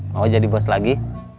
mau jadi bos lagi